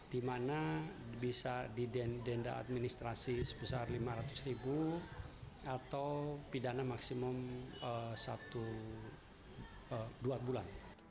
di mana bisa didenda administrasi sebesar lima ratus ribu atau pidana maksimum satu dua bulan